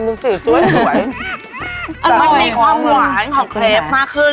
มันสิสวยสวยอร่อยตามหล่อหลายของเคลปมักขึ้น